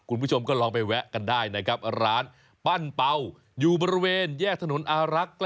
คุณผู้ชมก็ลองไปแวะกันได้นะครับร้านปั้นเป่าอยู่บริเวณแยกถนนอารักษ์